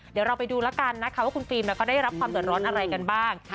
เดี๋ยวเราไปดูแล้วกันนะคะว่าคุณฟิล์มเขาได้รับความเดือดร้อนอะไรกันบ้าง